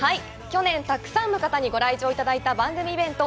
去年、たくさんの方にご来場いただいた番組イベント